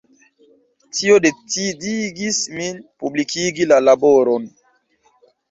Tio decidigis min publikigi la laboron.